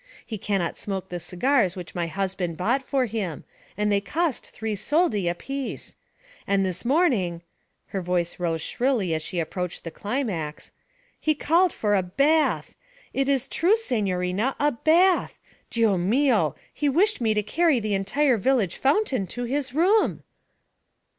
He cannot smoke the cigars which my husband bought for him, and they cost three soldi apiece. And this morning' her voice rose shrilly as she approached the climax 'he called for a bath. It is true, signorina, a bath. Dio mio, he wished me to carry the entire village fountain to his room!'